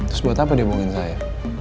terus buat apa dia bohongin saya